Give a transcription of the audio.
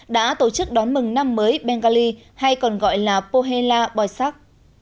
đã tổ chức đón mừng năm mới bengali hay còn gọi là pohela bhoisak